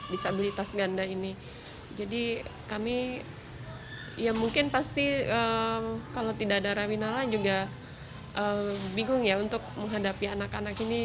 disabilitas ganda ini jadi kami ya mungkin pasti kalau tidak ada rawinala juga bingung ya untuk menghadapi anak anak ini